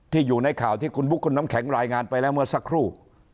อยู่ในข่าวที่คุณบุ๊คคุณน้ำแข็งรายงานไปแล้วเมื่อสักครู่